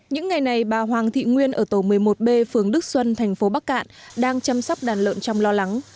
những ngày này bà hoàng thị nguyên ở tổ một mươi một b phường đức xuân thành phố bắc cạn đang chăm sóc đàn lợn trong lo lắng